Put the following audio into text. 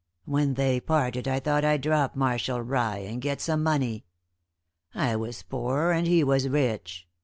When they parted I thought I'd drop on Marshall, rye, and get some money. I was poor and he was rich.